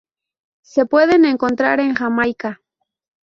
Se pueden encontrar en Jamaica.